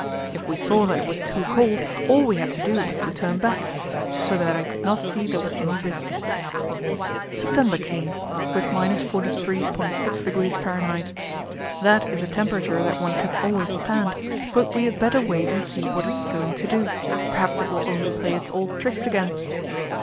If we saw that it was too cold, all we had to do was to turn back; so that I could not see there was any risk. September came, with 43.6° F. That is a temperature that one can always stand, but we had better wait and see what it is going to do; perhaps it will only play its old tricks again.